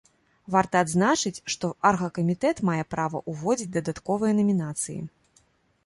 Варта адзначыць, што аргакамітэт мае права ўводзіць дадатковыя намінацыі.